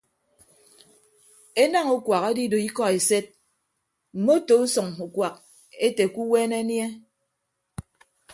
Enañ ukuak edido ikọ esed mmoto usʌñ ukuak ete ke uweene anie.